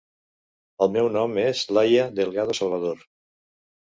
El meu nom és Laia Delgado Salvador.